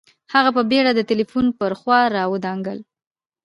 هغه په بېړه د ټلیفون پر خوا را ودانګل